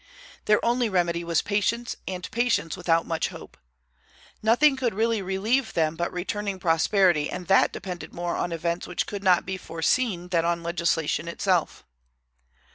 Their only remedy was patience, and patience without much hope. Nothing could really relieve them but returning prosperity, and that depended more on events which could not be foreseen than on legislation itself.